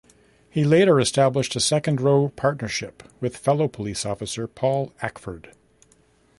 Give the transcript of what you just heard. He later established a second row partnership with fellow police officer Paul Ackford.